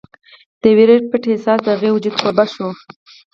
د وېرې پټ احساس د هغې وجود کوربه شوی و